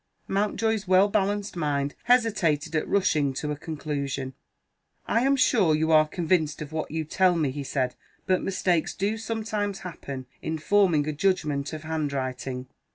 Mountjoy's well balanced mind hesitated at rushing to a conclusion. "I am sure you are convinced of what you tell me," he said. "But mistakes do sometimes happen in forming a judgment of handwriting."